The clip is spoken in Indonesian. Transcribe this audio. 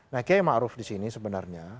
nah kayaknya mak ruf di sini sebenarnya